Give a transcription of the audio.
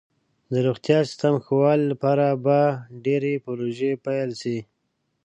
د روغتیا سیستم ښه والي لپاره به ډیرې پروژې پیل شي.